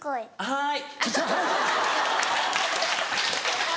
はい。